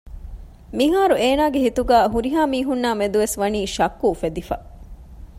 މިހާރު އޭނާގެ ހިތުގައި ހުރިހާ މީހުންނާމެދުވެސް ވަނީ ޝައްކު އުފެދިފަ